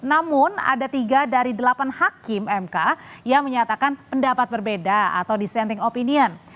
namun ada tiga dari delapan hakim mk yang menyatakan pendapat berbeda atau dissenting opinion